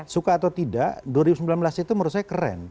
suka atau tidak dua ribu sembilan belas itu menurut saya keren